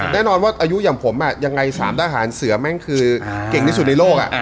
แน่นอนว่าอายุอย่างผมยังไง๓ทหารเสือแม่งคือเก่งที่สุดในโลก